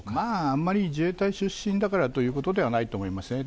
あんまり自衛隊出身だからということではないと思いますね。